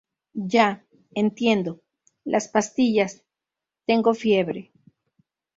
ya, entiendo. las pastillas, tengo fiebre...